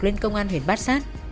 lên công an huyện bát xát